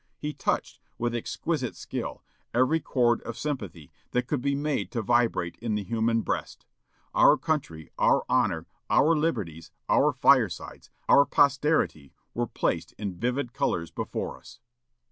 He touched, with exquisite skill, every chord of sympathy that could be made to vibrate in the human breast. Our country, our honor, our liberties, our firesides, our posterity were placed in vivid colors before us."